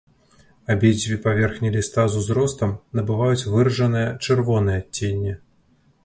Абедзве паверхні ліста з узростам набываюць выражанае чырвонае адценне.